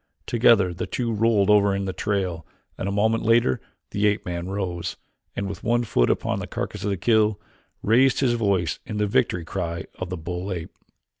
Together the two rolled over in the trail and a moment later the ape man rose, and, with one foot upon the carcass of his kill, raised his voice in the victory cry of the bull ape.